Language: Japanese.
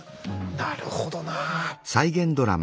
なるほどな。